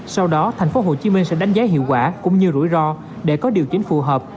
sau đó thành phố hồ chí minh sẽ đánh giá hiệu quả cũng như rủi ro để có điều chỉnh phù hợp